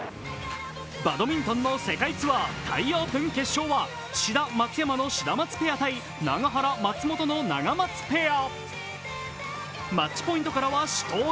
バドミントンの世界ツアータイ・オープンの決勝は志田松山のシダマツペア対永原・松本のナガマツペア。